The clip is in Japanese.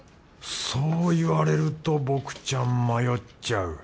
そう言われると僕ちゃん迷っちゃう。